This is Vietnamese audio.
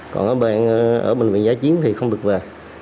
còn các bạn ở bệnh viện giải chiến thì không được về